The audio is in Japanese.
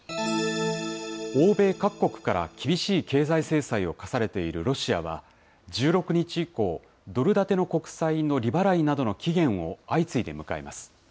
欧米各国から厳しい経済制裁を科されているロシアは、１６日以降、ドル建ての国債の利払いなどの期限を相次いで迎えます。